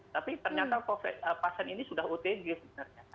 tapi ternyata pasien ini sudah otg sebenarnya